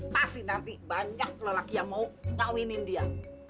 pasti nanti banyak lelaki yang mau ngawinin dia